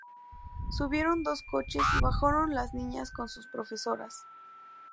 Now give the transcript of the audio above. Subieron dos coches y bajaron las niñas con sus profesoras.